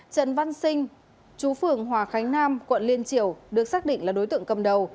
trần văn sinh chú phường hòa khánh nam quận liên triều được xác định là đối tượng cầm đầu